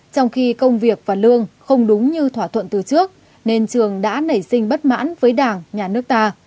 trong khi công việc và lương không đúng như thỏa thuận từ trước nên trường đã nảy sinh bất mãn với đảng nhà nước ta